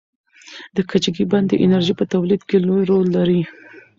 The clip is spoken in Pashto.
د کجکي بند د انرژۍ په تولید کې لوی رول لري.